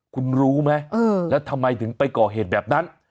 คุณรู้ไหมแล้วทำไมถึงไปก่อเหตุแบบนั้น